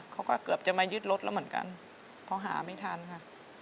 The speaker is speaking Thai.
เขาก็เกือบจะมายึดรถแล้วเหมือนกันเพราะหาไม่ทันค่ะ